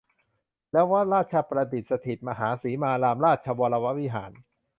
และวัดราชประดิษฐสถิตมหาสีมารามราชวรวิหาร